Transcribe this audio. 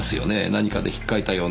何かで引っかいたような。